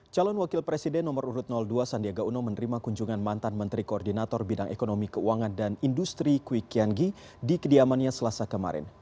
calon wakil presiden nomor urut dua sandiaga uno menerima kunjungan mantan menteri koordinator bidang ekonomi keuangan dan industri kwi kian gi di kediamannya selasa kemarin